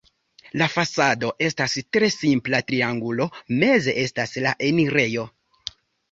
La fasado estas tre simpla triangulo, meze estas la enirejo.